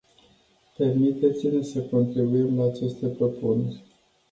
Permiteți-ne să contribuim la aceste propuneri.